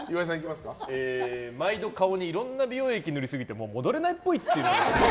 毎度、顔にいろんな美容液塗りすぎてもう戻れないっぽい。